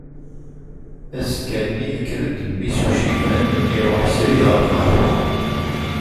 Azekka-nni yekker-d mmi-s n uciban iruḥ srid ɣer lqahwa.